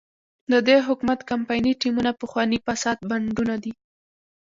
د دې حکومت کمپایني ټیمونه پخواني فاسد بانډونه دي.